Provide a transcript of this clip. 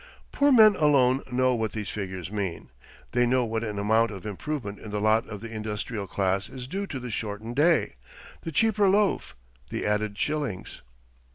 Poor men alone know what these figures mean. They know what an amount of improvement in the lot of the industrial class is due to the shortened day, the cheaper loaf, the added shillings.